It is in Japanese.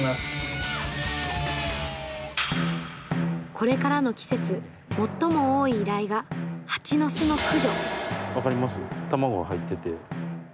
これからの季節最も多い依頼が蜂の巣の駆除。